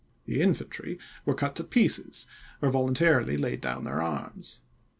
The infantry were cut to pieces, or voluntarily laid down their arms.